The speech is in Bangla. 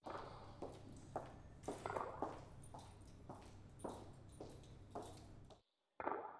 তুমি ভারি চালাক নানি!